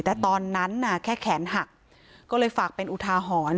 แต่ตอนนั้นน่ะแค่แขนหักก็เลยฝากเป็นอุทาหรณ์